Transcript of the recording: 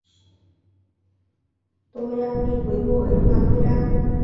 Tôi đang đi với cô ấy mà tôi đang